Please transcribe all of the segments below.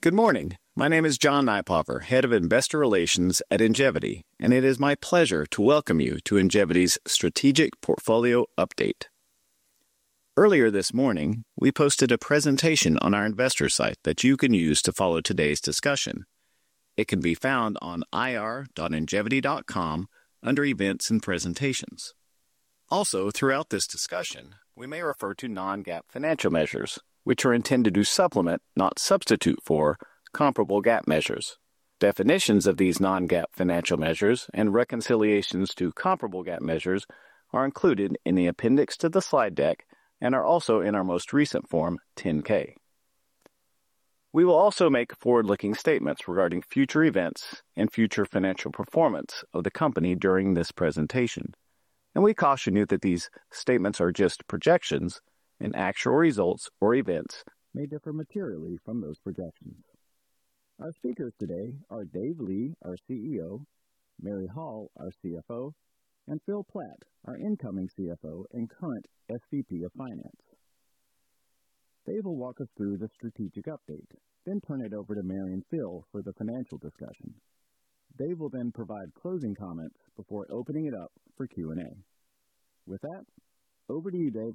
Good morning. My name is John Nypaver, Head of Investor Relations at Ingevity, and it is my pleasure to welcome you to Ingevity's Strategic Portfolio Update. Earlier this morning, we posted a presentation on our investor site that you can use to follow today's discussion. It can be found on ir.ingevity.com under Events and Presentations. Also, throughout this discussion, we may refer to non-GAAP financial measures, which are intended to supplement, not substitute for, comparable GAAP measures. Definitions of these non-GAAP financial measures and reconciliations to comparable GAAP measures are included in the appendix to the slide deck and are also in our most recent Form 10-K. We will also make forward-looking statements regarding future events and future financial performance of the company during this presentation, and we caution you that these statements are just projections, and actual results or events may differ materially from those projections. Our speakers today are Dave Li, our CEO, Mary Hall, our CFO, and Phil Platt, our incoming CFO and current SVP of Finance. Dave will walk us through the strategic update, then turn it over to Mary and Phil for the financial discussion. Dave will then provide closing comments before opening it up for Q&A. With that, over to you, Dave.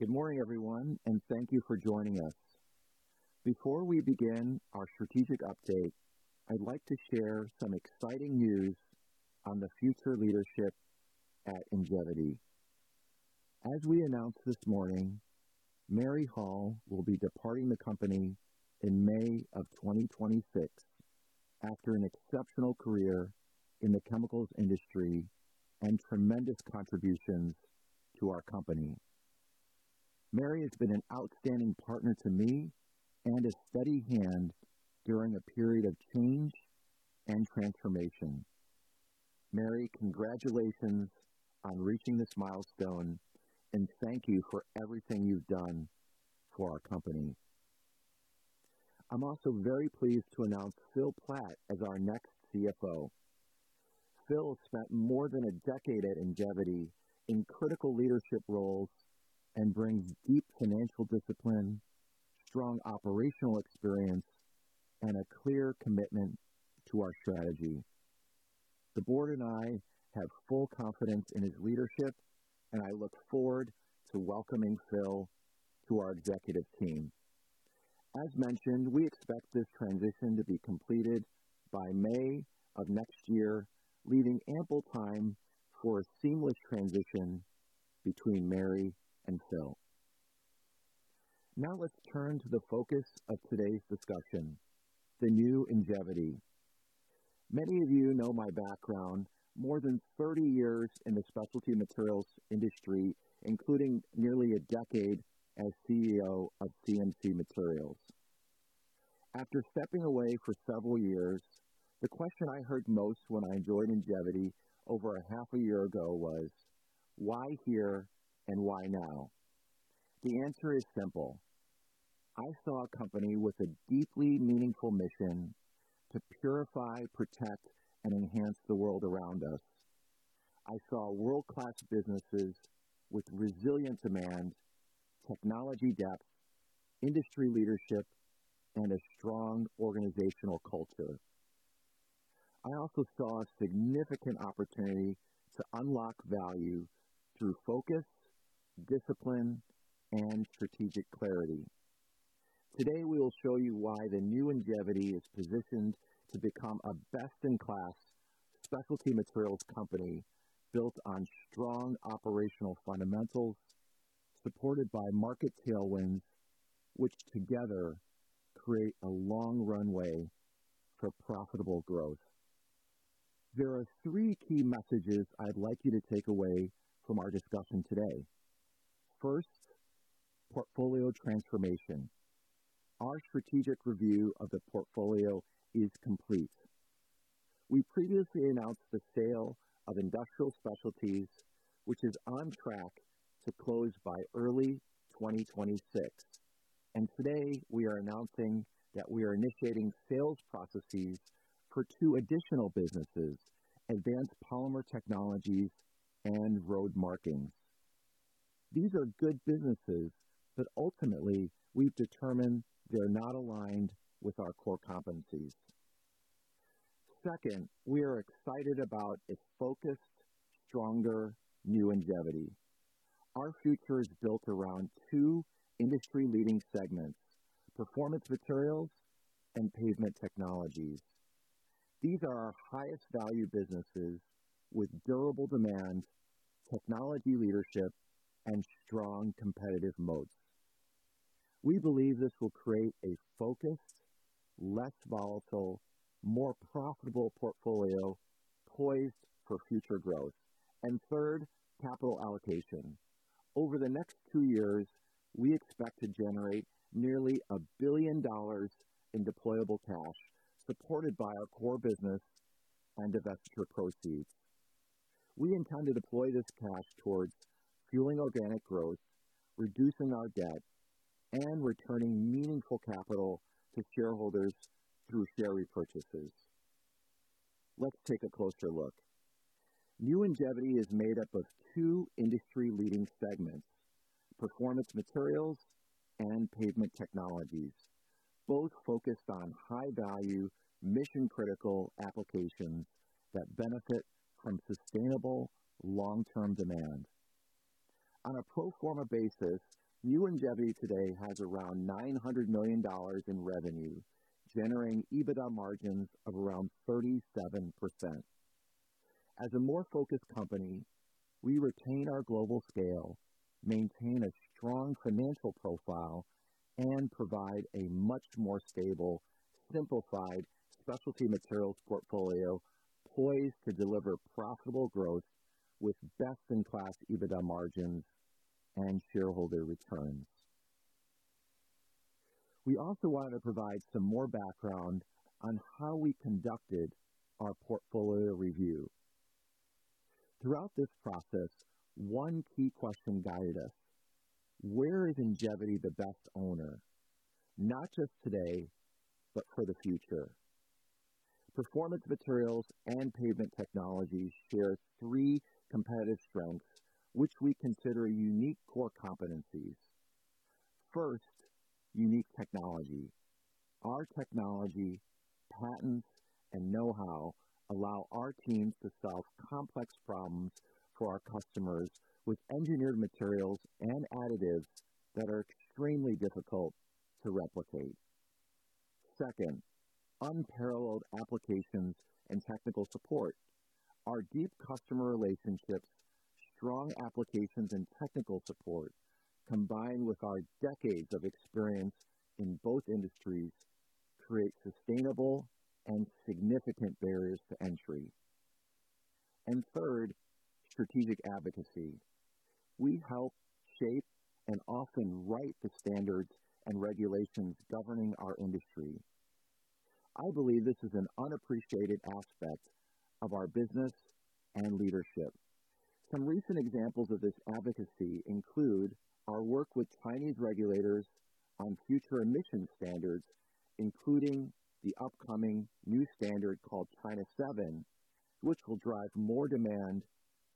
Good morning, everyone, and thank you for joining us. Before we begin our strategic update, I'd like to share some exciting news on the future leadership at Ingevity. As we announced this morning, Mary Hall will be departing the company in May of 2026 after an exceptional career in the chemicals industry and tremendous contributions to our company. Mary has been an outstanding partner to me and a steady hand during a period of change and transformation. Mary, congratulations on reaching this milestone, and thank you for everything you've done for our company. I'm also very pleased to announce Phil Platt as our next CFO. Phil spent more than a decade at Ingevity in critical leadership roles and brings deep financial discipline, strong operational experience, and a clear commitment to our strategy. The board and I have full confidence in his leadership, and I look forward to welcoming Phil to our executive team. As mentioned, we expect this transition to be completed by May of next year, leaving ample time for a seamless transition between Mary and Phil. Now let's turn to the focus of today's discussion, the New Ingevity. Many of you know my background, more than 30 years in the specialty materials industry, including nearly a decade as CEO of CMC Materials. After stepping away for several years, the question I heard most when I joined Ingevity over a half a year ago was, "Why here and why now?" The answer is simple. I saw a company with a deeply meaningful mission to purify, protect, and enhance the world around us. I saw world-class businesses with resilient demand, technology depth, industry leadership, and a strong organizational culture. I also saw a significant opportunity to unlock value through focus, discipline, and strategic clarity. Today, we will show you why the New Ingevity is positioned to become a best-in-class specialty materials company built on strong operational fundamentals, supported by market tailwinds, which together create a long runway for profitable growth. There are three key messages I'd like you to take away from our discussion today. First, portfolio transformation. Our strategic review of the portfolio is complete. We previously announced the sale of Industrial Specialties, which is on track to close by early 2026, and today, we are announcing that we are initiating sales processes for two additional businesses, Advanced Polymer Technologies and Road Markings. These are good businesses, but ultimately, we've determined they're not aligned with our core competencies. Second, we are excited about a focused, stronger New Ingevity. Our future is built around two industry-leading segments: Performance Materials and Pavement Technologies. These are our highest-value businesses with durable demand, technology leadership, and strong competitive moats. We believe this will create a focused, less volatile, more profitable portfolio poised for future growth, and third, capital allocation. Over the next two years, we expect to generate nearly $1 billion in deployable cash, supported by our core business and investor proceeds. We intend to deploy this cash towards fueling organic growth, reducing our debt, and returning meaningful capital to shareholders through share repurchases. Let's take a closer look. New Ingevity is made up of two industry-leading segments: Performance Materials and Pavement Technologies, both focused on high-value, mission-critical applications that benefit from sustainable long-term demand. On a pro forma basis, New Ingevity today has around $900 million in revenue, generating EBITDA margins of around 37%. As a more focused company, we retain our global scale, maintain a strong financial profile, and provide a much more stable, simplified specialty materials portfolio poised to deliver profitable growth with best-in-class EBITDA margins and shareholder returns. We also wanted to provide some more background on how we conducted our portfolio review. Throughout this process, one key question guided us: Where is Ingevity the best owner? Not just today, but for the future. Performance Materials and Pavement Technologies share three competitive strengths, which we consider unique core competencies. First, unique technology. Our technology, patents, and know-how allow our teams to solve complex problems for our customers with engineered materials and additives that are extremely difficult to replicate. Second, unparalleled applications and technical support. Our deep customer relationships, strong applications, and technical support, combined with our decades of experience in both industries, create sustainable and significant barriers to entry. And third, strategic advocacy. We help shape and often write the standards and regulations governing our industry. I believe this is an unappreciated aspect of our business and leadership. Some recent examples of this advocacy include our work with Chinese regulators on future emission standards, including the upcoming new standard called China VII, which will drive more demand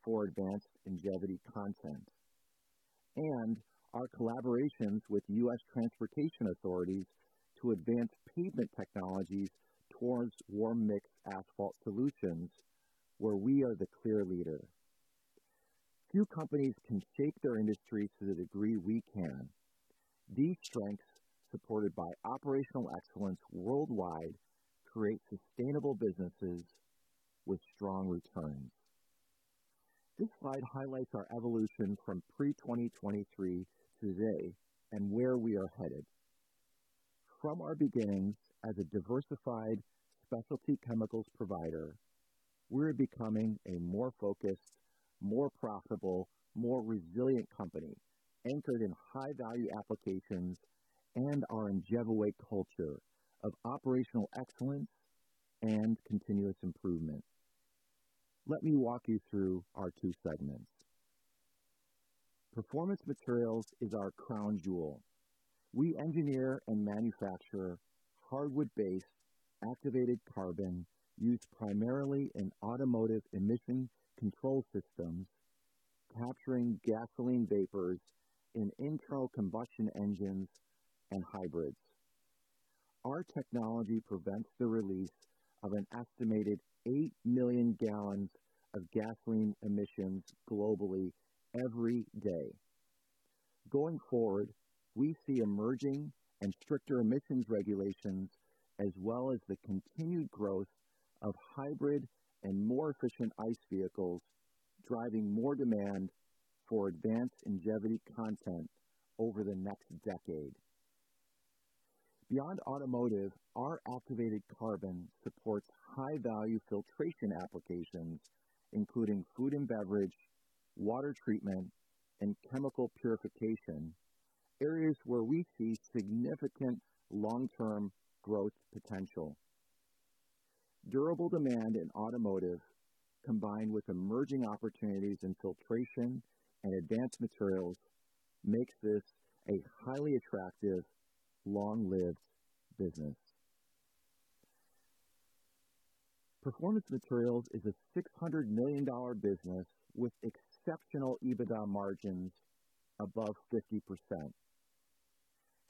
for advanced Ingevity content. And our collaborations with U.S. Transportation authorities to advance Pavement Technologies towards warm-mix asphalt solutions, where we are the clear leader. Few companies can shape their industry to the degree we can. These strengths, supported by operational excellence worldwide, create sustainable businesses with strong returns. This slide highlights our evolution from pre-2023 to today and where we are headed. From our beginnings as a diversified specialty chemicals provider, we're becoming a more focused, more profitable, more resilient company anchored in high-value applications and our Ingevity Way culture of operational excellence and continuous improvement. Let me walk you through our two segments. Performance Materials is our crown jewel. We engineer and manufacture hardwood-based activated carbon used primarily in automotive emission control systems, capturing gasoline vapors in internal combustion engines and hybrids. Our technology prevents the release of an estimated eight million gallons of gasoline emissions globally every day. Going forward, we see emerging and stricter emissions regulations, as well as the continued growth of hybrid and more efficient ICE vehicles driving more demand for advanced Ingevity content over the next decade. Beyond automotive, our activated carbon supports high-value filtration applications, including food and beverage, water treatment, and chemical purification, areas where we see significant long-term growth potential. Durable demand in automotive, combined with emerging opportunities in filtration and advanced materials, makes this a highly attractive, long-lived business. Performance Materials is a $600 million business with exceptional EBITDA margins above 50%.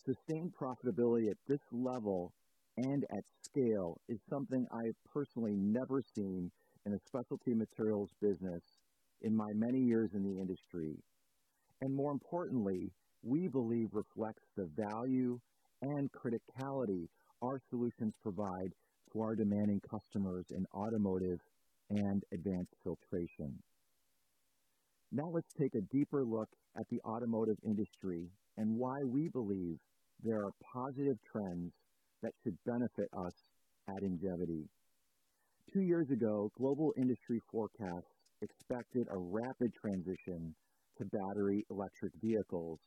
Sustained profitability at this level and at scale is something I have personally never seen in a specialty materials business in my many years in the industry, and more importantly, we believe reflects the value and criticality our solutions provide for our demanding customers in automotive and advanced filtration. Now let's take a deeper look at the automotive industry and why we believe there are positive trends that should benefit us at Ingevity. Two years ago, global industry forecasts expected a rapid transition to battery electric vehicles,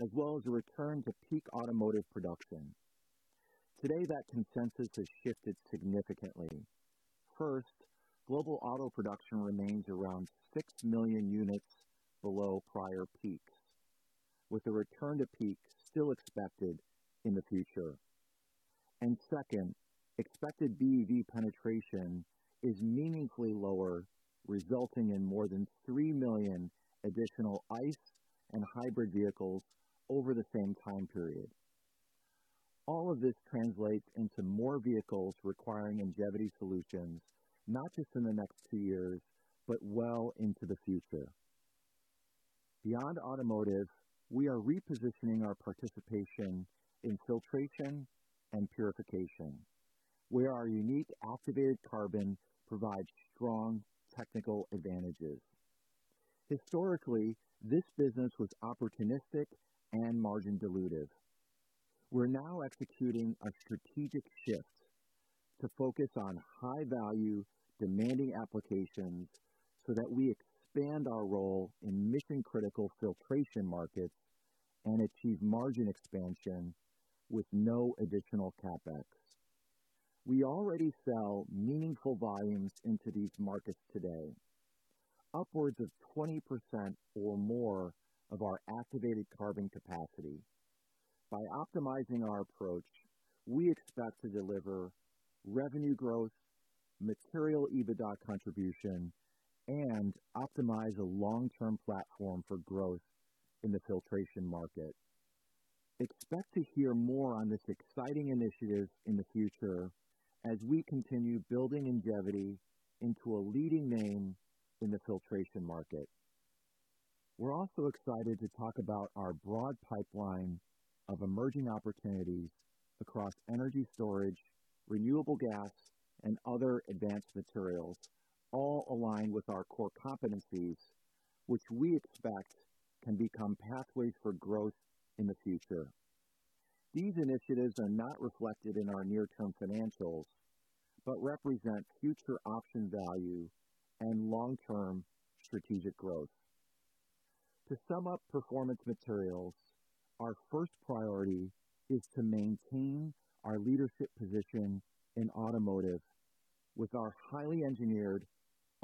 as well as a return to peak automotive production. Today, that consensus has shifted significantly. First, global auto production remains around six million units below prior peaks, with a return to peak still expected in the future. And second, expected BEV penetration is meaningfully lower, resulting in more than three million additional ICE and hybrid vehicles over the same time period. All of this translates into more vehicles requiring Ingevity solutions, not just in the next two years, but well into the future. Beyond automotive, we are repositioning our participation in filtration and purification, where our unique activated carbon provides strong technical advantages. Historically, this business was opportunistic and margin-dilutive. We're now executing a strategic shift to focus on high-value, demanding applications so that we expand our role in mission-critical filtration markets and achieve margin expansion with no additional CapEx. We already sell meaningful volumes into these markets today, upwards of 20% or more of our activated carbon capacity. By optimizing our approach, we expect to deliver revenue growth, material EBITDA contribution, and optimize a long-term platform for growth in the filtration market. Expect to hear more on this exciting initiative in the future as we continue building Ingevity into a leading name in the filtration market. We're also excited to talk about our broad pipeline of emerging opportunities across energy storage, renewable gas, and other advanced materials, all aligned with our core competencies, which we expect can become pathways for growth in the future. These initiatives are not reflected in our near-term financials, but represent future option value and long-term strategic growth. To sum up Performance Materials, our first priority is to maintain our leadership position in automotive with our highly engineered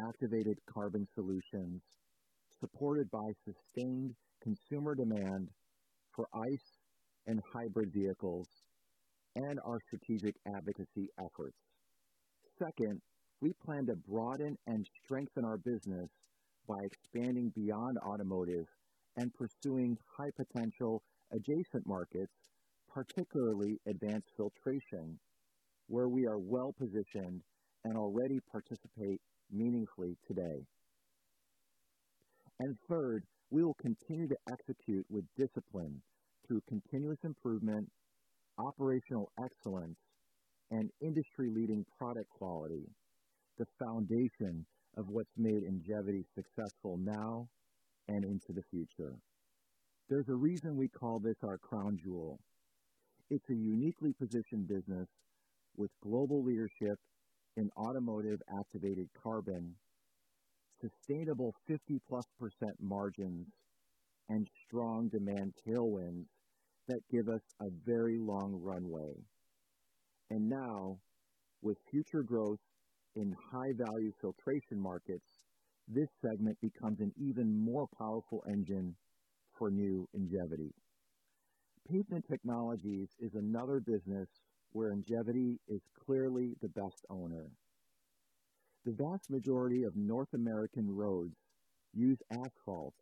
activated carbon solutions, supported by sustained consumer demand for ICE and hybrid vehicles and our strategic advocacy efforts. Second, we plan to broaden and strengthen our business by expanding beyond automotive and pursuing high-potential adjacent markets, particularly advanced filtration, where we are well-positioned and already participate meaningfully today. And third, we will continue to execute with discipline through continuous improvement, operational excellence, and industry-leading product quality, the foundation of what's made Ingevity successful now and into the future. There's a reason we call this our crown jewel. It's a uniquely positioned business with global leadership in automotive activated carbon, sustainable 50%+ margins, and strong demand tailwinds that give us a very long runway. And now, with future growth in high-value filtration markets, this segment becomes an even more powerful engine for New Ingevity. Pavement Technologies is another business where Ingevity is clearly the best owner. The vast majority of North American roads use asphalt,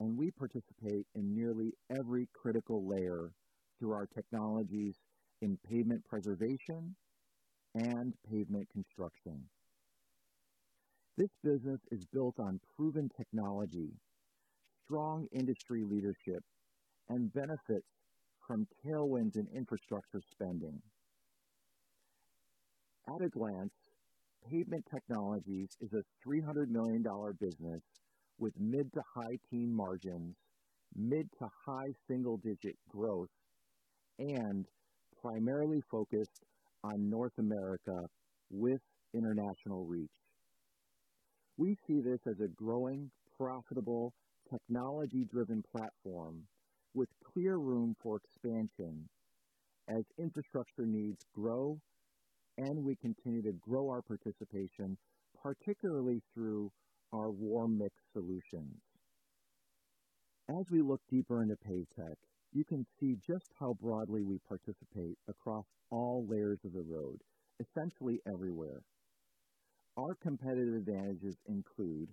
and we participate in nearly every critical layer through our technologies in pavement preservation and pavement construction. This business is built on proven technology, strong industry leadership, and benefits from tailwinds and infrastructure spending. At a glance, Pavement Technologies is a $300 million business with mid-to-high teens margins, mid-to-high single-digit growth, and primarily focused on North America with international reach. We see this as a growing, profitable, technology-driven platform with clear room for expansion as infrastructure needs grow, and we continue to grow our participation, particularly through our warm-mix solutions. As we look deeper into pavement, you can see just how broadly we participate across all layers of the road, essentially everywhere. Our competitive advantages include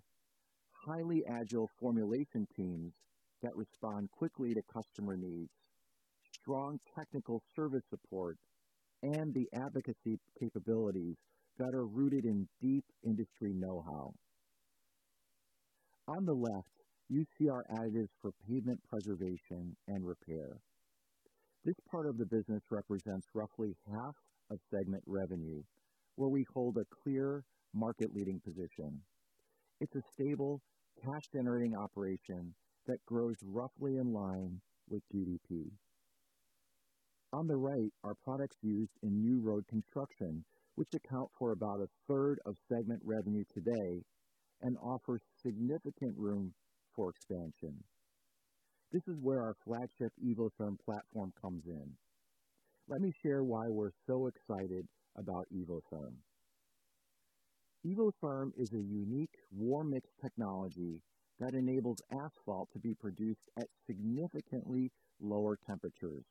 highly agile formulation teams that respond quickly to customer needs, strong technical service support, and the advocacy capabilities that are rooted in deep industry know-how. On the left, you see our additives for pavement preservation and repair. This part of the business represents roughly half of segment revenue, where we hold a clear market-leading position. It's a stable, cash-generating operation that grows roughly in line with GDP. On the right, our products used in new road construction, which account for about a third of segment revenue today and offer significant room for expansion. This is where our flagship Evotherm platform comes in. Let me share why we're so excited about Evotherm. Evotherm is a unique warm-mix technology that enables asphalt to be produced at significantly lower temperatures.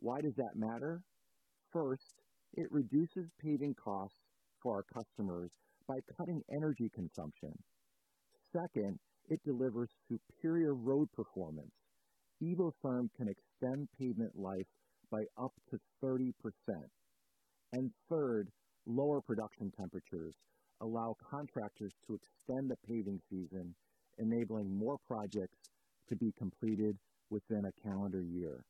Why does that matter? First, it reduces paving costs for our customers by cutting energy consumption. Second, it delivers superior road performance. Evotherm can extend pavement life by up to 30%. And third, lower production temperatures allow contractors to extend the paving season, enabling more projects to be completed within a calendar year.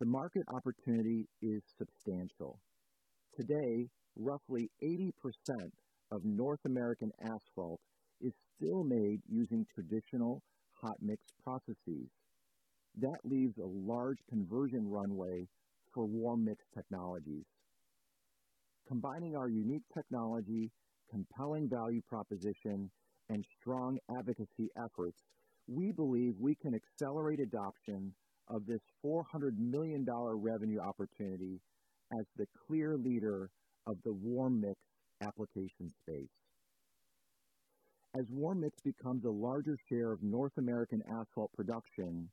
The market opportunity is substantial. Today, roughly 80% of North American asphalt is still made using traditional hot-mix processes. That leaves a large conversion runway for warm-mix technologies. Combining our unique technology, compelling value proposition, and strong advocacy efforts, we believe we can accelerate adoption of this $400 million revenue opportunity as the clear leader of the warm-mix application space. As warm-mix becomes a larger share of North American asphalt production,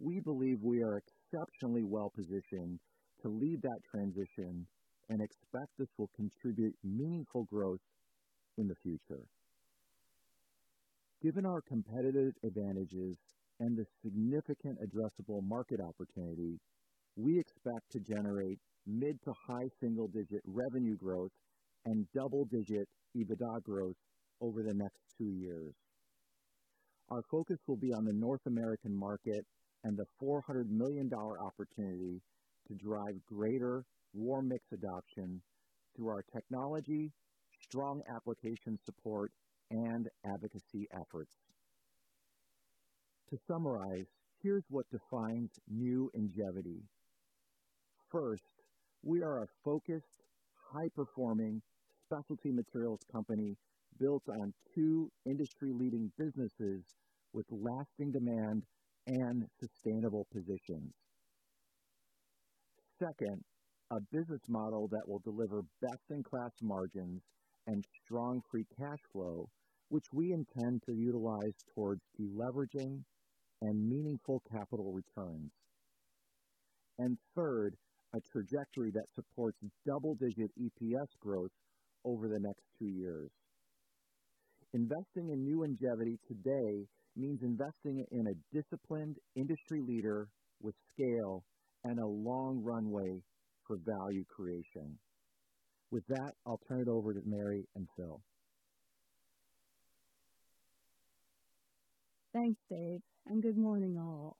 we believe we are exceptionally well-positioned to lead that transition and expect this will contribute meaningful growth in the future. Given our competitive advantages and the significant addressable market opportunity, we expect to generate mid-to-high single-digit revenue growth and double-digit EBITDA growth over the next two years. Our focus will be on the North American market and the $400 million opportunity to drive greater warm-mix adoption through our technology, strong application support, and advocacy efforts. To summarize, here's what defines New Ingevity. First, we are a focused, high-performing specialty materials company built on two industry-leading businesses with lasting demand and sustainable positions. Second, a business model that will deliver best-in-class margins and strong free cash flow, which we intend to utilize towards deleveraging and meaningful capital returns. Third, a trajectory that supports double-digit EPS growth over the next two years. Investing in New Ingevity today means investing in a disciplined industry leader with scale and a long runway for value creation. With that, I'll turn it over to Mary and Phil. Thanks, Dave, and good morning, all.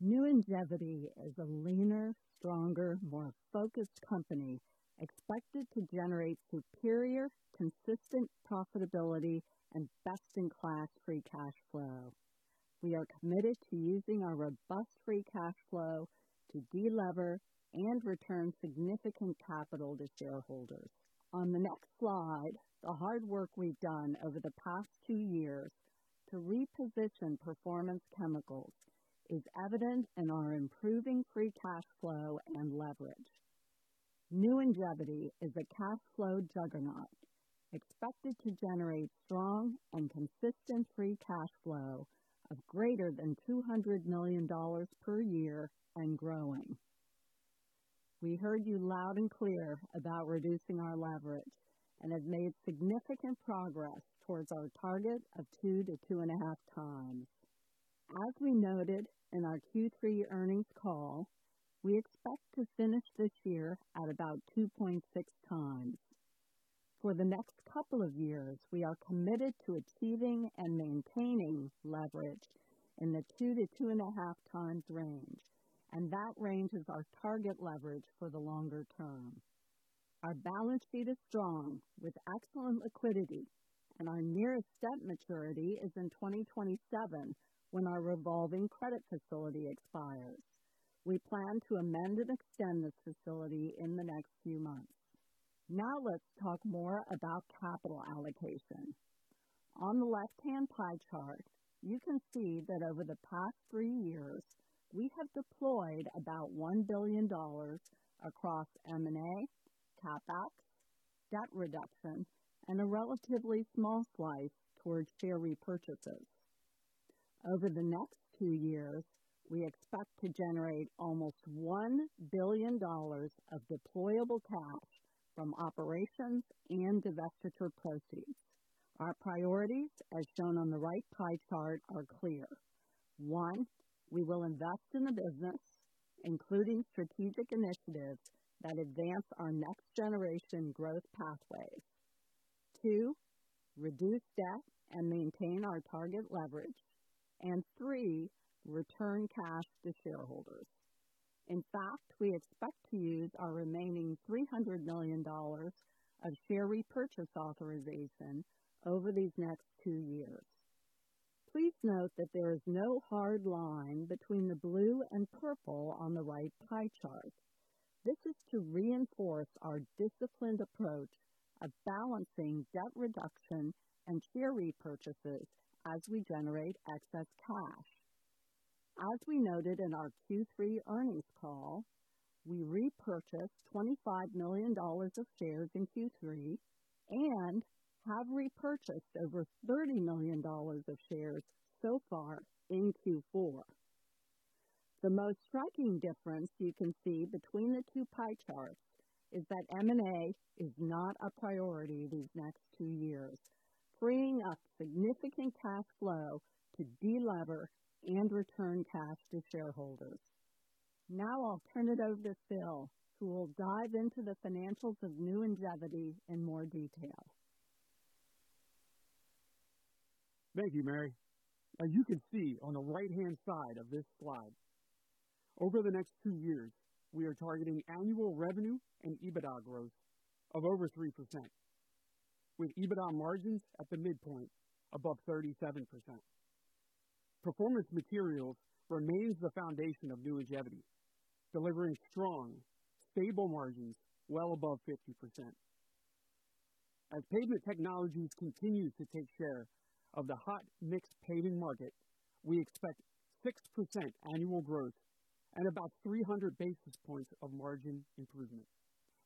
New Ingevity is a leaner, stronger, more focused company expected to generate superior, consistent profitability and best-in-class free cash flow. We are committed to using our robust free cash flow to delever and return significant capital to shareholders. On the next slide, the hard work we've done over the past two years to reposition Performance Chemicals is evident in our improving free cash flow and leverage. New Ingevity is a cash flow juggernaut expected to generate strong and consistent free cash flow of greater than $200 million per year and growing. We heard you loud and clear about reducing our leverage and have made significant progress towards our target of 2x-2.5x. As we noted in our Q3 earnings call, we expect to finish this year at about 2.6x. For the next couple of years, we are committed to achieving and maintaining leverage in the 2x-2.5x range, and that range is our target leverage for the longer term. Our balance sheet is strong with excellent liquidity, and our nearest debt maturity is in 2027 when our revolving credit facility expires. We plan to amend and extend this facility in the next few months. Now let's talk more about capital allocation. On the left-hand pie chart, you can see that over the past three years, we have deployed about $1 billion across M&A, CapEx, debt reduction, and a relatively small slice towards share repurchases. Over the next two years, we expect to generate almost $1 billion of deployable cash from operations and divestiture proceeds. Our priorities, as shown on the right pie chart, are clear. One, we will invest in the business, including strategic initiatives that advance our next-generation growth pathways. Two, reduce debt and maintain our target leverage. And three, return cash to shareholders. In fact, we expect to use our remaining $300 million of share repurchase authorization over these next two years. Please note that there is no hard line between the blue and purple on the right pie chart. This is to reinforce our disciplined approach of balancing debt reduction and share repurchases as we generate excess cash. As we noted in our Q3 earnings call, we repurchased $25 million of shares in Q3 and have repurchased over $30 million of shares so far in Q4. The most striking difference you can see between the two pie charts is that M&A is not a priority these next two years, freeing up significant cash flow to delever and return cash to shareholders. Now I'll turn it over to Phil, who will dive into the financials of New Ingevity in more detail. Thank you, Mary. You can see on the right-hand side of this slide, over the next two years, we are targeting annual revenue and EBITDA growth of over 3%, with EBITDA margins at the midpoint above 37%. Performance Materials remains the foundation of New Ingevity, delivering strong, stable margins well above 50%. As Pavement Technologies continues to take share of the hot-mix paving market, we expect 6% annual growth and about 300 basis points of margin improvement.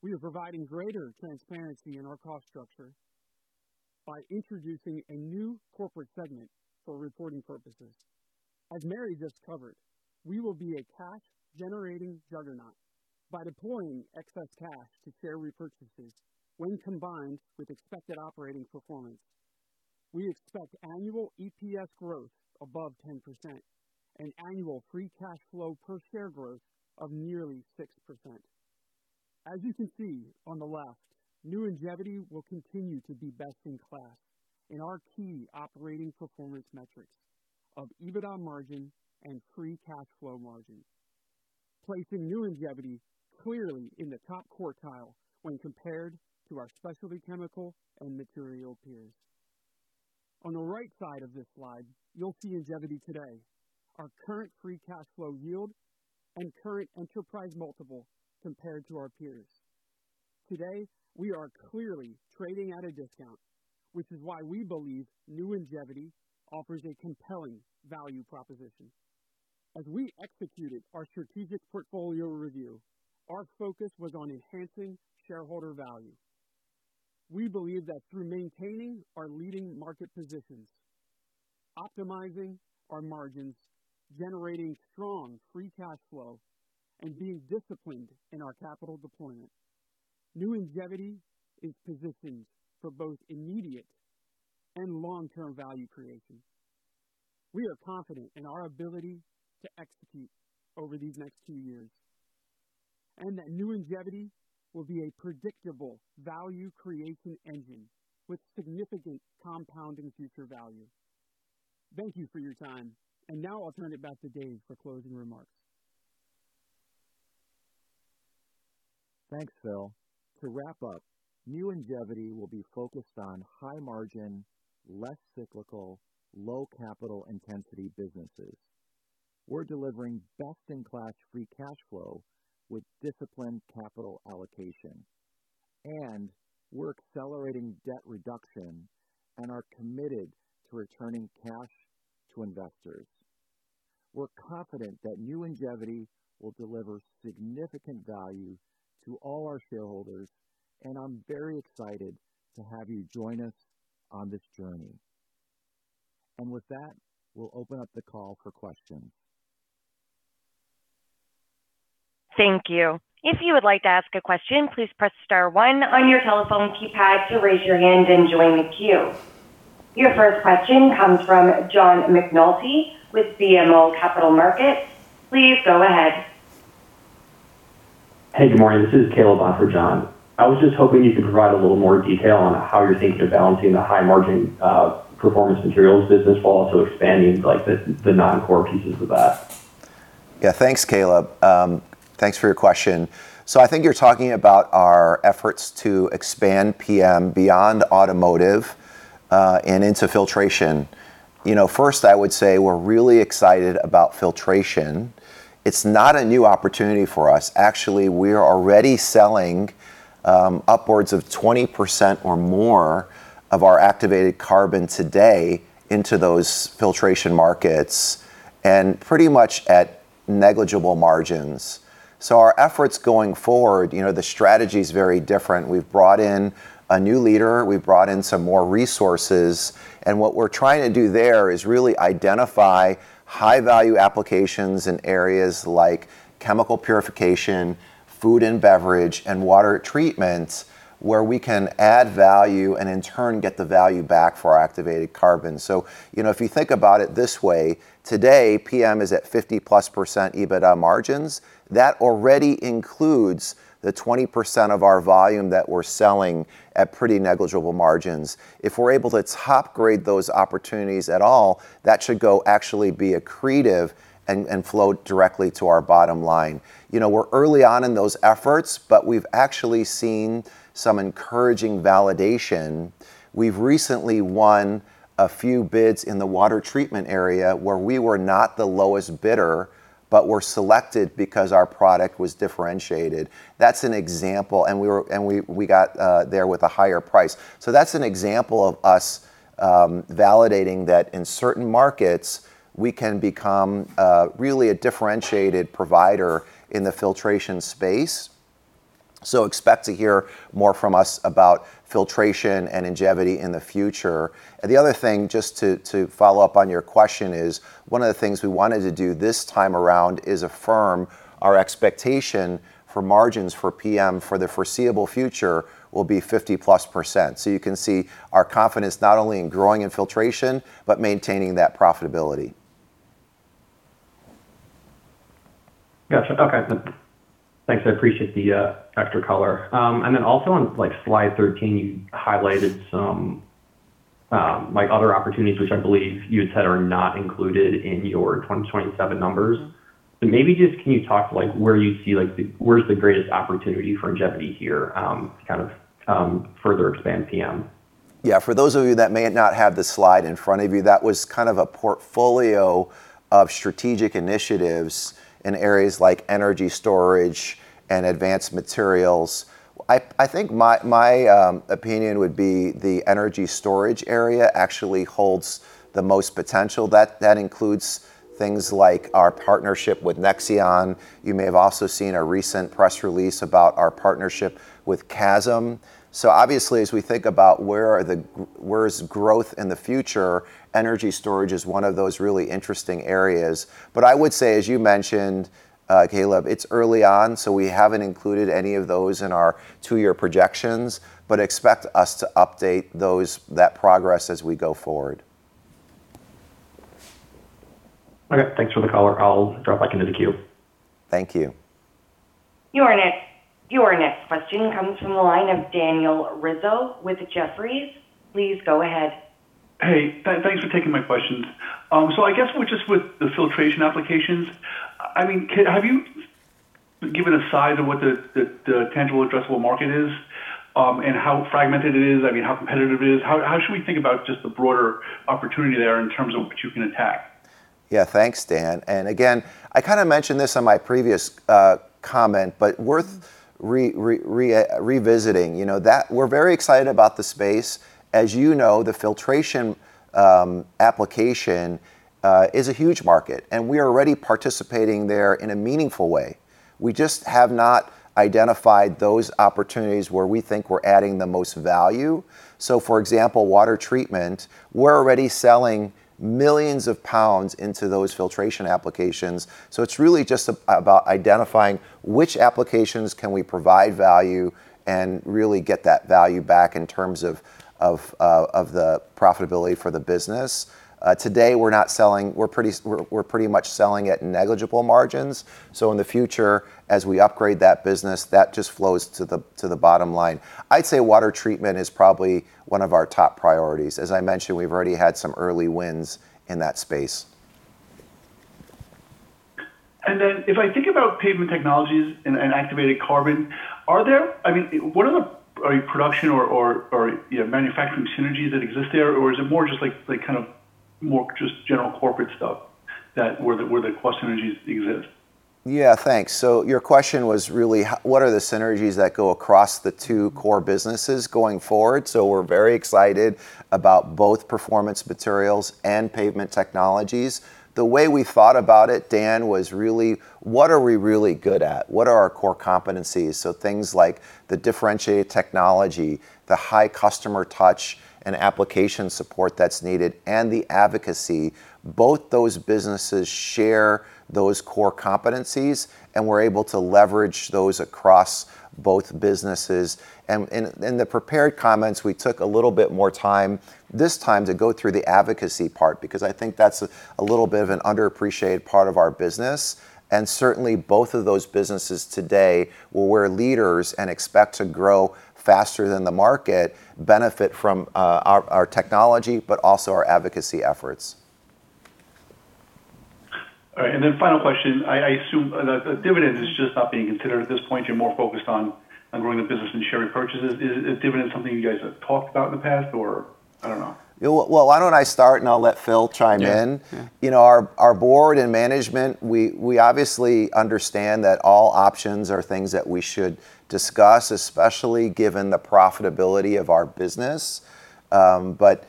We are providing greater transparency in our cost structure by introducing a new corporate segment for reporting purposes. As Mary just covered, we will be a cash-generating juggernaut by deploying excess cash to share repurchases when combined with expected operating performance. We expect annual EPS growth above 10% and annual free cash flow per share growth of nearly 6%. As you can see on the left, New Ingevity will continue to be best-in-class in our key operating performance metrics of EBITDA margin and free cash flow margins, placing New Ingevity clearly in the top quartile when compared to our specialty chemical and material peers. On the right side of this slide, you'll see Ingevity today, our current free cash flow yield, and current enterprise multiple compared to our peers. Today, we are clearly trading at a discount, which is why we believe New Ingevity offers a compelling value proposition. As we executed our strategic portfolio review, our focus was on enhancing shareholder value. We believe that through maintaining our leading market positions, optimizing our margins, generating strong free cash flow, and being disciplined in our capital deployment, New Ingevity is positioned for both immediate and long-term value creation. We are confident in our ability to execute over these next two years and that New Ingevity will be a predictable value creation engine with significant compounding future value. Thank you for your time, and now I'll turn it back to Dave for closing remarks. Thanks, Phil. To wrap up, New Ingevity will be focused on high margin, less cyclical, low capital intensity businesses. We're delivering best-in-class free cash flow with disciplined capital allocation. And we're accelerating debt reduction and are committed to returning cash to investors. We're confident that New Ingevity will deliver significant value to all our shareholders, and I'm very excited to have you join us on this journey. And with that, we'll open up the call for questions. Thank you. If you would like to ask a question, please press star one on your telephone keypad to raise your hand and join the queue. Your first question comes from John McNulty with BMO Capital Markets. Please go ahead. Hey, good morning. This is Caleb on for John. I was just hoping you could provide a little more detail on how you're thinking of balancing the high margin Performance Materials business while also expanding the non-core pieces of that. Yeah, thanks, Caleb. Thanks for your question. So I think you're talking about our efforts to expand PM beyond automotive and into filtration. First, I would say we're really excited about filtration. It's not a new opportunity for us. Actually, we are already selling upwards of 20% or more of our activated carbon today into those filtration markets and pretty much at negligible margins. So our efforts going forward, the strategy is very different. We've brought in a new leader. We've brought in some more resources. And what we're trying to do there is really identify high-value applications in areas like chemical purification, food and beverage, and water treatments where we can add value and in turn get the value back for our activated carbon. So if you think about it this way, today PM is at 50%+ EBITDA margins. That already includes the 20% of our volume that we're selling at pretty negligible margins. If we're able to top grade those opportunities at all, that should actually be accretive and flow directly to our bottom line. We're early on in those efforts, but we've actually seen some encouraging validation. We've recently won a few bids in the water treatment area where we were not the lowest bidder, but were selected because our product was differentiated. That's an example, and we got there with a higher price, so that's an example of us validating that in certain markets, we can become really a differentiated provider in the filtration space, so expect to hear more from us about filtration and Ingevity in the future. The other thing, just to follow up on your question, is one of the things we wanted to do this time around is affirm our expectation for margins for PM for the foreseeable future will be 50%+. So you can see our confidence not only in growing in filtration, but maintaining that profitability. Gotcha. Okay. Thanks. I appreciate the extra color. And then also on Slide 13, you highlighted some other opportunities, which I believe you had said are not included in your 2027 numbers. So maybe just can you talk to where you see, where's the greatest opportunity for Ingevity here to kind of further expand PM? Yeah. For those of you that may not have the slide in front of you, that was kind of a portfolio of strategic initiatives in areas like energy storage and advanced materials. I think my opinion would be the energy storage area actually holds the most potential. That includes things like our partnership with Nexeon. You may have also seen a recent press release about our partnership with CHASM. So obviously, as we think about where's growth in the future, energy storage is one of those really interesting areas. But I would say, as you mentioned, Caleb, it's early on, so we haven't included any of those in our two-year projections, but expect us to update that progress as we go forward. Okay. Thanks for the color. I'll drop back into the queue. Thank you. Your next question comes from the line of Daniel Rizzo with Jefferies. Please go ahead. Hey, thanks for taking my questions. So I guess just with the filtration applications, I mean, have you given a size of what the tangible addressable market is and how fragmented it is? I mean, how competitive it is? How should we think about just the broader opportunity there in terms of what you can attack? Yeah, thanks, Dan, and again, I kind of mentioned this in my previous comment, but worth revisiting. We're very excited about the space. As you know, the filtration application is a huge market, and we are already participating there in a meaningful way. We just have not identified those opportunities where we think we're adding the most value. So for example, water treatment, we're already selling millions of pounds into those filtration applications. So it's really just about identifying which applications can we provide value and really get that value back in terms of the profitability for the business. Today, we're pretty much selling at negligible margins. So in the future, as we upgrade that business, that just flows to the bottom line. I'd say water treatment is probably one of our top priorities. As I mentioned, we've already had some early wins in that space. If I think about Pavement Technologies and activated carbon, are there any production or manufacturing synergies that exist there, or is it more just kind of general corporate stuff where the core synergies exist? Yeah, thanks. So your question was really, what are the synergies that go across the two core businesses going forward? So we're very excited about both Performance Materials and Pavement Technologies. The way we thought about it, Dan, was really, what are we really good at? What are our core competencies? So things like the differentiated technology, the high customer touch and application support that's needed, and the advocacy. Both those businesses share those core competencies, and we're able to leverage those across both businesses. And in the prepared comments, we took a little bit more time this time to go through the advocacy part because I think that's a little bit of an underappreciated part of our business. And certainly, both of those businesses today are world leaders and expect to grow faster than the market, benefit from our technology, but also our advocacy efforts. All right. And then final question. I assume that dividends is just not being considered at this point. You're more focused on growing the business and share repurchases. Is dividends something you guys have talked about in the past, or I don't know? Well, why don't I start and I'll let Phil chime in? Our board and management, we obviously understand that all options are things that we should discuss, especially given the profitability of our business. But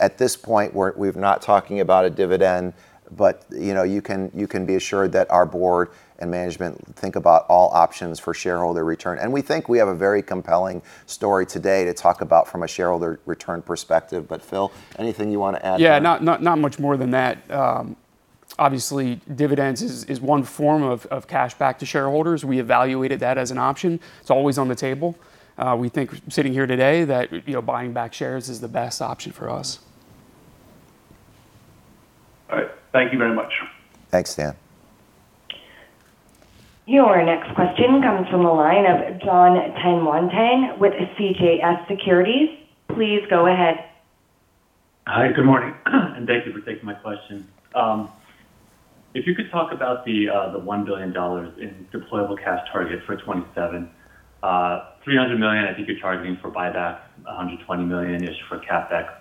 at this point, we're not talking about a dividend, but you can be assured that our board and management think about all options for shareholder return. And we think we have a very compelling story today to talk about from a shareholder return perspective. But Phil, anything you want to add? Yeah, not much more than that. Obviously, dividends is one form of cash back to shareholders. We evaluated that as an option. It's always on the table. We think sitting here today that buying back shares is the best option for us. All right. Thank you very much. Thanks, Dan. Your next question comes from the line of Jon Tanwanteng with CJS Securities. Please go ahead. Hi, good morning, and thank you for taking my question. If you could talk about the $1 billion in deployable cash target for 2027, $300 million, I think you're targeting for buyback, $120 million-ish for CapEx.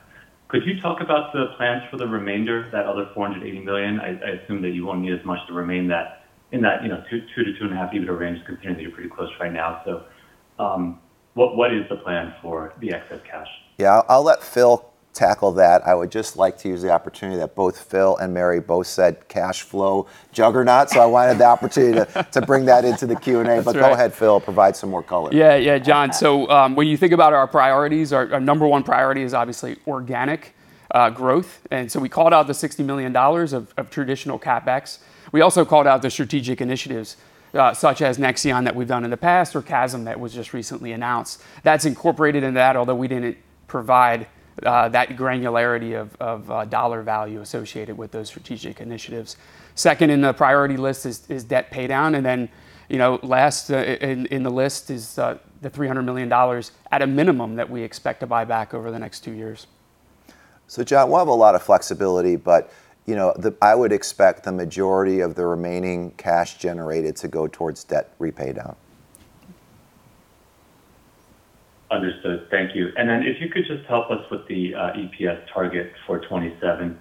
Could you talk about the plans for the remainder, that other $480 million? I assume that you won't need as much to remain in that two to two and a half EBITDA range considering that you're pretty close right now, so what is the plan for the excess cash? Yeah, I'll let Phil tackle that. I would just like to use the opportunity that both Phil and Mary both said cash flow juggernaut. So I wanted the opportunity to bring that into the Q&A. But go ahead, Phil, provide some more color. Yeah, yeah, John. So when you think about our priorities, our number one priority is obviously organic growth. And so we called out the $60 million of traditional CapEx. We also called out the strategic initiatives such as Nexeon that we've done in the past or CHASM that was just recently announced. That's incorporated into that, although we didn't provide that granularity of dollar value associated with those strategic initiatives. Second in the priority list is debt paydown. And then last in the list is the $300 million at a minimum that we expect to buy back over the next two years. So Jon, we'll have a lot of flexibility, but I would expect the majority of the remaining cash generated to go towards debt paydown. Understood. Thank you. And then if you could just help us with the EPS target for 2027,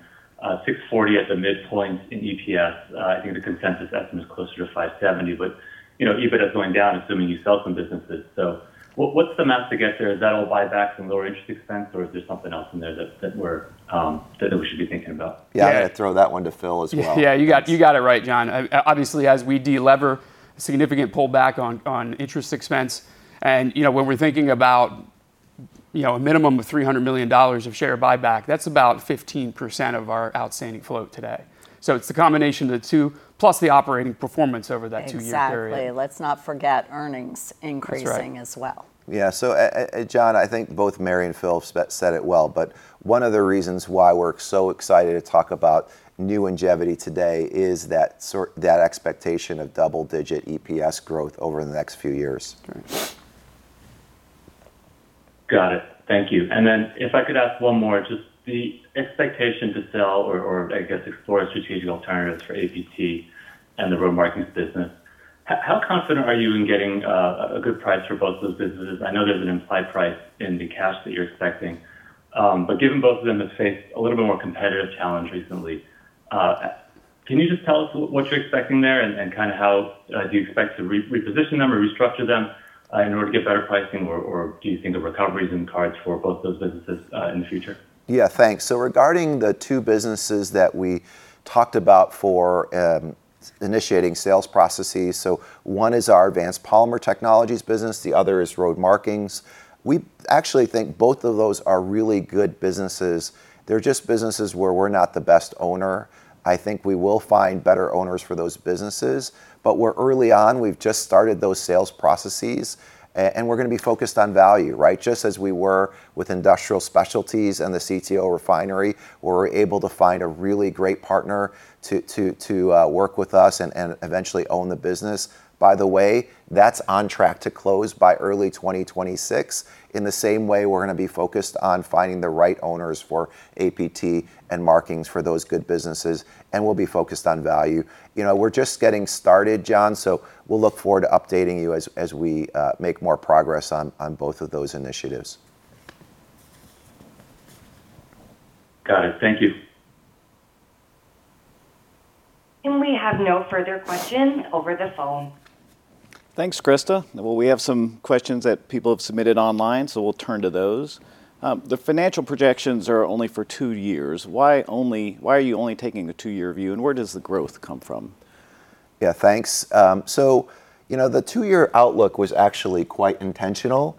$640 at the midpoint in EPS. I think the consensus estimate is closer to $570, but EBITDA is going down, assuming you sell some businesses. So what's the math to get there? Is that all buybacks and lower interest expense, or is there something else in there that we should be thinking about? Yeah, I'd throw that one to Phil as well. Yeah, you got it right, Jon. Obviously, as we delever significant pullback on interest expense, and when we're thinking about a minimum of $300 million of share buyback, that's about 15% of our outstanding float today. So it's the combination of the two plus the operating performance over that two-year period. Exactly. Let's not forget earnings increasing as well. Yeah. So Jon, I think both Mary and Phil said it well, but one of the reasons why we're so excited to talk about New Ingevity today is that expectation of double-digit EPS growth over the next few years. Got it. Thank you. And then if I could ask one more, just the expectation to sell or, I guess, explore strategic alternatives for APT and the road markings business. How confident are you in getting a good price for both of those businesses? I know there's an implied price in the cash that you're expecting, but given both of them have faced a little bit more competitive challenge recently, can you just tell us what you're expecting there and kind of how do you expect to reposition them or restructure them in order to get better pricing, or do you think of recoveries in the cards for both those businesses in the future? Yeah, thanks. So regarding the two businesses that we talked about for initiating sales processes, so one is our Advanced Polymer Technologies business. The other is Road Markings. We actually think both of those are really good businesses. They're just businesses where we're not the best owner. I think we will find better owners for those businesses, but we're early on. We've just started those sales processes, and we're going to be focused on value, right? Just as we were with Industrial Specialties and the CTO Refinery, where we're able to find a really great partner to work with us and eventually own the business. By the way, that's on track to close by early 2026. In the same way, we're going to be focused on finding the right owners for APT and markings for those good businesses, and we'll be focused on value. We're just getting started, Jon, so we'll look forward to updating you as we make more progress on both of those initiatives. Got it. Thank you. We have no further questions over the phone. Thanks, Krista. We have some questions that people have submitted online, so we'll turn to those. The financial projections are only for two years. Why are you only taking the two-year view, and where does the growth come from? Yeah, thanks. So the two-year outlook was actually quite intentional.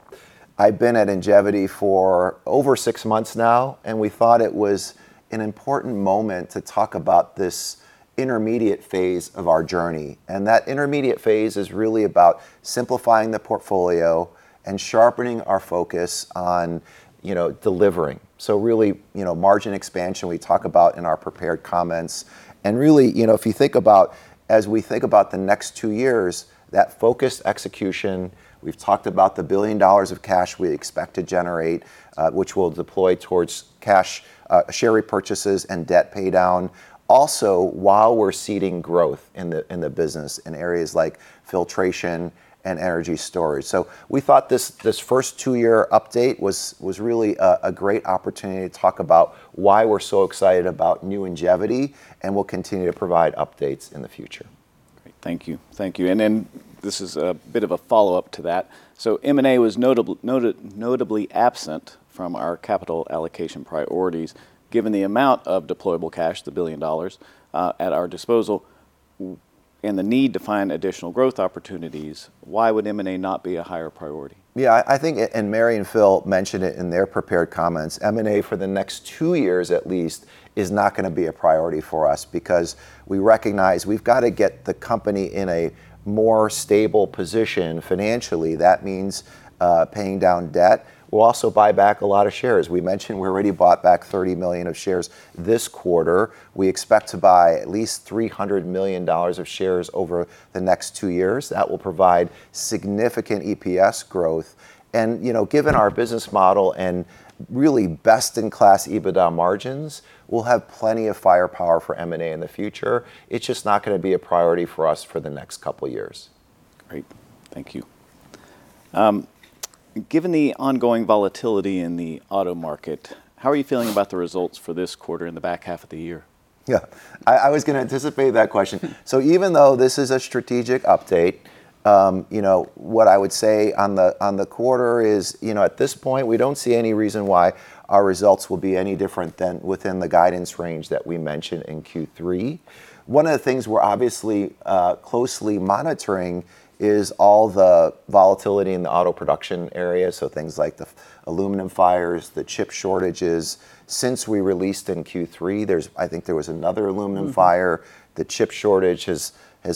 I've been at Ingevity for over six months now, and we thought it was an important moment to talk about this intermediate phase of our journey. And that intermediate phase is really about simplifying the portfolio and sharpening our focus on delivering. So really, margin expansion, we talk about in our prepared comments. And really, if you think about as we think about the next two years, that focused execution, we've talked about the $1 billion of cash we expect to generate, which we'll deploy towards cash share repurchases and debt paydown. Also, while we're seeding growth in the business in areas like filtration and energy storage. So we thought this first two-year update was really a great opportunity to talk about why we're so excited about New Ingevity, and we'll continue to provide updates in the future. Great. Thank you. Thank you. And then this is a bit of a follow-up to that. So M&A was notably absent from our capital allocation priorities. Given the amount of deployable cash, the $1 billion at our disposal, and the need to find additional growth opportunities, why would M&A not be a higher priority? Yeah, I think, and Mary and Phil mentioned it in their prepared comments, M&A for the next two years at least is not going to be a priority for us because we recognize we've got to get the company in a more stable position financially. That means paying down debt. We'll also buy back a lot of shares. We mentioned we already bought back 30 million of shares this quarter. We expect to buy at least $300 million of shares over the next two years. That will provide significant EPS growth. And given our business model and really best-in-class EBITDA margins, we'll have plenty of firepower for M&A in the future. It's just not going to be a priority for us for the next couple of years. Great. Thank you. Given the ongoing volatility in the auto market, how are you feeling about the results for this quarter and the back half of the year? Yeah, I was going to anticipate that question. So even though this is a strategic update, what I would say on the quarter is at this point, we don't see any reason why our results will be any different than within the guidance range that we mentioned in Q3. One of the things we're obviously closely monitoring is all the volatility in the auto production area, so things like the aluminum fires, the chip shortages. Since we released in Q3, I think there was another aluminum fire. The chip shortage has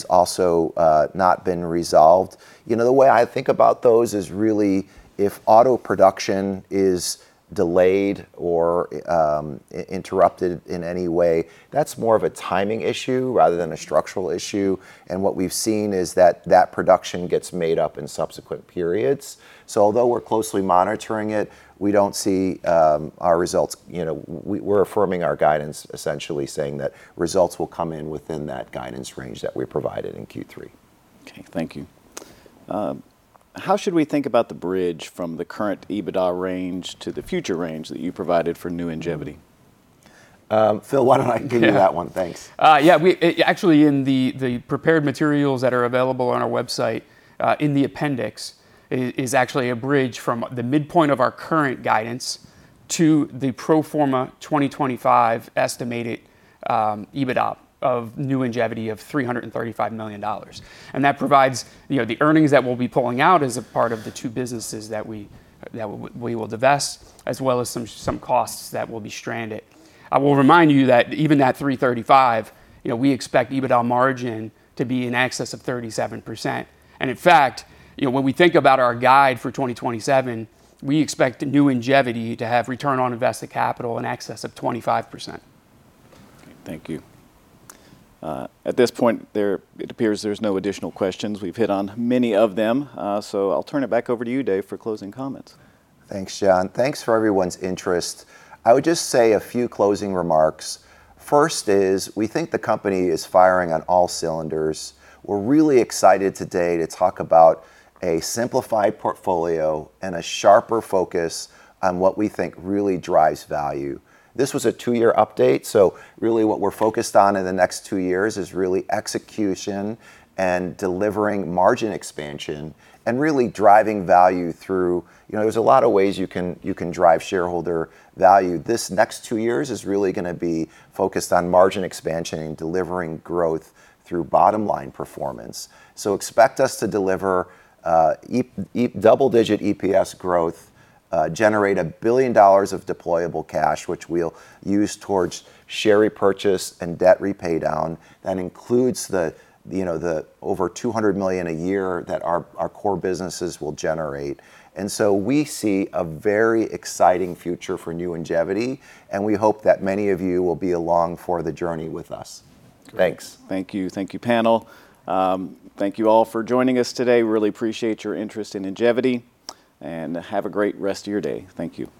also not been resolved. The way I think about those is really if auto production is delayed or interrupted in any way, that's more of a timing issue rather than a structural issue. And what we've seen is that that production gets made up in subsequent periods. So although we're closely monitoring it, we don't see our results. We're affirming our guidance, essentially saying that results will come in within that guidance range that we provided in Q3. Okay. Thank you. How should we think about the bridge from the current EBITDA range to the future range that you provided for New Ingevity? Phil, why don't I give you that one? Thanks. Yeah, actually, in the prepared materials that are available on our website, in the appendix is actually a bridge from the midpoint of our current guidance to the pro forma 2025 estimated EBITDA of New Ingevity of $335 million, and that provides the earnings that we'll be pulling out as a part of the two businesses that we will divest, as well as some costs that will be stranded. I will remind you that even that $335 million, we expect EBITDA margin to be in excess of 37%, and in fact, when we think about our guide for 2027, we expect New Ingevity to have return on invested capital in excess of 25%. Okay. Thank you. At this point, it appears there's no additional questions. We've hit on many of them. So I'll turn it back over to you, Dave, for closing comments. Thanks, John. Thanks for everyone's interest. I would just say a few closing remarks. First is we think the company is firing on all cylinders. We're really excited today to talk about a simplified portfolio and a sharper focus on what we think really drives value. This was a two-year update. So really what we're focused on in the next two years is really execution and delivering margin expansion and really driving value through. There's a lot of ways you can drive shareholder value. This next two years is really going to be focused on margin expansion and delivering growth through bottom-line performance. So expect us to deliver double-digit EPS growth, generate $1 billion of deployable cash, which we'll use towards share repurchase and debt repaydown. That includes the over $200 million a year that our core businesses will generate. And so we see a very exciting future for New Ingevity, and we hope that many of you will be along for the journey with us. Thanks. Thank you. Thank you, panel. Thank you all for joining us today. Really appreciate your interest in Ingevity, and have a great rest of your day. Thank you.